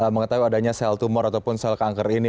mengetahui adanya sel tumor ataupun sel kanker ini